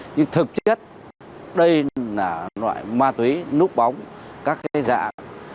nhưng thực chất đây là loại ma túy núp bóng các cái dạng